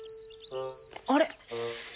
あれ？